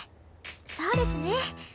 そうですね。